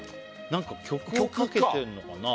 何か曲かけてんのかな？